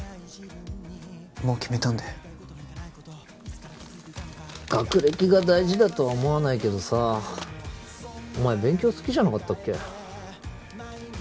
もう決めたんで学歴が大事だとは思わないけどさお前勉強好きじゃなかったっけ？